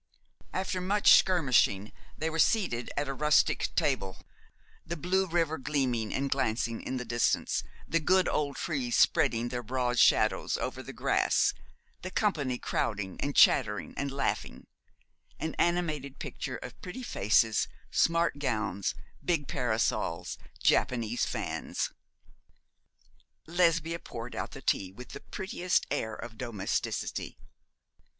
After much skirmishing they were seated at a rustic table, the blue river gleaming and glancing in the distance, the good old trees spreading their broad shadows over the grass, the company crowding and chattering and laughing an animated picture of pretty faces, smart gowns, big parasols, Japanese fans. Lesbia poured out the tea with the prettiest air of domesticity.